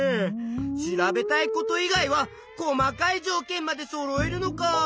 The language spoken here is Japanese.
調べたいこと以外は細かいじょうけんまでそろえるのかあ。